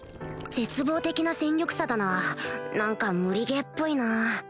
絶望的な戦力差だな何か無理ゲーっぽいな